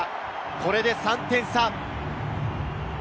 これで３点差。